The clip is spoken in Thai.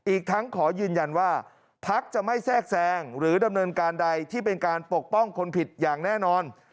อีกทั้งขอยืนยันว่าพักจะไม่แทรกแซงหรือดำเนินการใดที่เป็นการปกป้องคนผิดอย่างแน่นอน